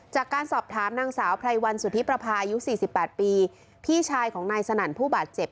จากการสอบถามนางสาวไพรวันสุธิประพายุ๔๘ปีพี่ชายของนายสนั่นผู้บาดเจ็บ